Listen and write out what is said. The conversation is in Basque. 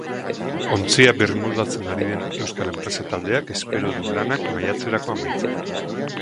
Ontzia birmoldatzen ari den euskal enpresa taldeak espero du lanak maiatzerako amaitzea.